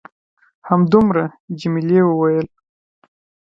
همدومره؟ جميلې وويل:.